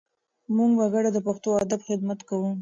موږ په ګډه د پښتو ادب خدمت کوو.